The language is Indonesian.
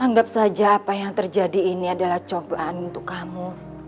anggap saja apa yang terjadi ini adalah cobaan untuk kamu